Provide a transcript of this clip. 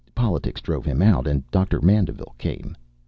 Politics drove him out, and Doctor Mandeville came.